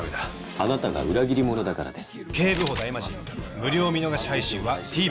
あなたが裏切り者だからです。